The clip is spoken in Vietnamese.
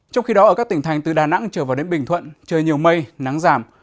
trong khi đó ở các tỉnh thành từ đà nẵng trở vào đến bình thuận trời nhiều mây nắng giảm